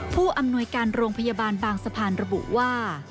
ผู้อำนวยการโรงพยาบาลบางสะพานระบุว่า